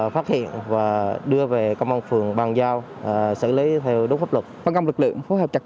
phát hiện và đưa về công an phường bàn giao xử lý theo đúng pháp luật